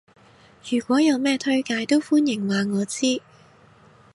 如果有咩推介都歡迎話我知